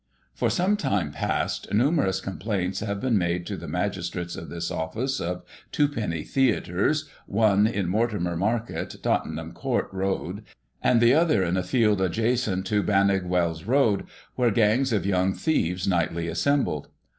— For some time past, numerous com plaints have been made to the magistrates of this of&ce of two penny theatres, one in Mortimer Market, Tottenham Court Road, and the other in a field adjacent to Bagnigge Wells Road, where gangs of young thieves nightly assembled.